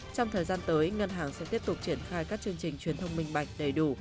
trong thời gian tới ngân hàng sẽ tiếp tục triển khai các chương trình truyền thông minh bạch đầy đủ